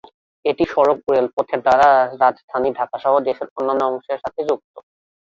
এটি সড়ক ও রেলপথের দ্বারা রাজধানী ঢাকাসহ দেশের অন্যান্য অংশের সাথে যুক্ত।